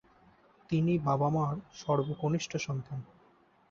তিনি বাবা-মার সর্বকনিষ্ঠ সন্তান।